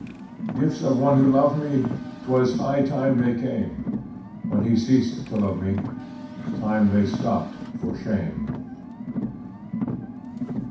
Gifts of one who loved me, 'T was high time they came; When he ceased to love me, Time they stopped for shame.